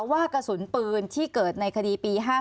ว่ากระสุนปืนที่เกิดในคดีปี๕๗